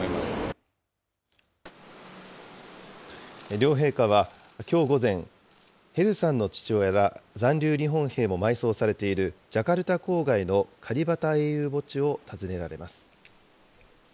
両陛下は、きょう午前、ヘルさんの父親ら残留日本兵も埋葬されている、ジャカルタ郊外のカリバタ英雄墓地を訪ねられます。